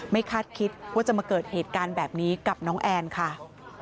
คาดคิดว่าจะมาเกิดเหตุการณ์แบบนี้กับน้องแอนค่ะ